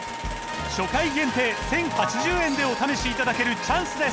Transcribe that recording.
初回限定１，０８０円でお試しいただけるチャンスです